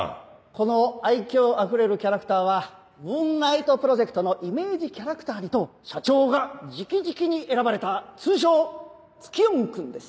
この愛嬌あふれるキャラクターはムーンナイトプロジェクトのイメージキャラクターにと社長が直々に選ばれた通称ツキヨンくんです。